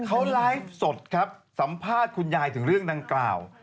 เขาไลฟ์สดครับสัมภาษณ์คุณยายถึงเรื่องดังกล่าว